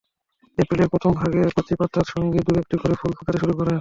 এপ্রিলের প্রথম ভাগে কচি পাতার সঙ্গে দু-একটি করে ফুল ফুটতে শুরু করে।